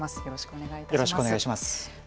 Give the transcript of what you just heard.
よろしくお願いします。